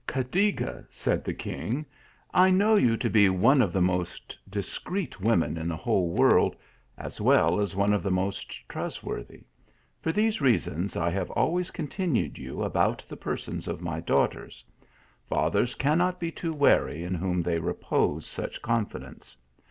"Cadiga," said the king, " I know you to be one THREE BEAUTIFUL PRINCESSES. 143 of the most discreet women in the whole world, as well as one of the most trustworthy ; for these rea sons, I have always continued you about the persona of my daughters. Fathers cannot be too wary in whom they repose such confidence.